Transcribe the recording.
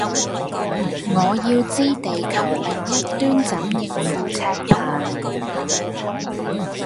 我要知地球另一端怎應付赤貧